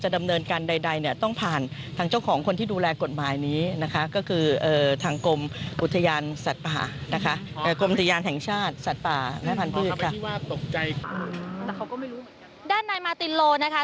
ด้านในมาร์ตินโลล์นะคะ